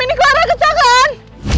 ini clara kecelakaan